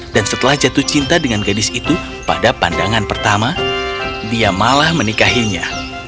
dan setelah jatuh cinta dengan gadis itu pada pandangan pertama dia malah menikahinya